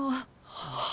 はあ？